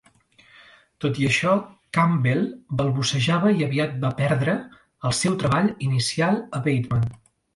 Tot i això, Campbell, balbucejava i aviat va perdre el seu treball inicial a Bateman.